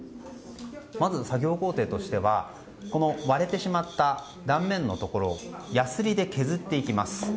まず作業工程としては割れてしまった断面のところをやすりで削っていきます。